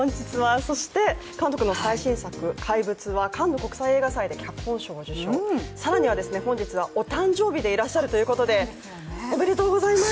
そして、監督の最新作「怪物」はカンヌ国際映画祭で脚本賞を受賞、更には本日はお誕生日でいらっしゃるということでおめでとうございます。